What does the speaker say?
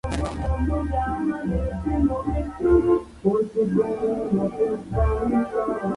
Experiencia del cirujano.